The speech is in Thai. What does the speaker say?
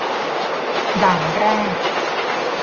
ด่านแรก